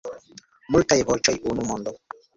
Multaj voĉoj, unu mondo.